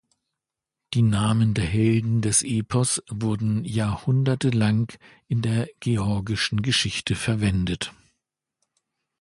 Die Namen der Helden des Epos wurden jahrhundertelang in der georgischen Geschichte verwendet.